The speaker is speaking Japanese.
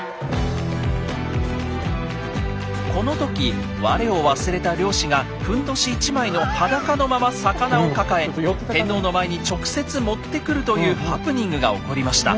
この時我を忘れた漁師がふんどし１枚の裸のまま魚を抱え天皇の前に直接持ってくるというハプニングが起こりました。